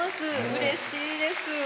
うれしいです。